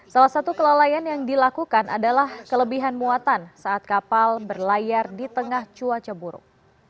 salah satu kelalaian yang dilakukan adalah kelebihan muatan saat kapal berlayar di tengah cuaca buruk